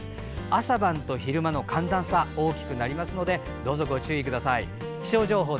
朝晩と昼間の寒暖差が大きくなりますのでどうぞご注意ください。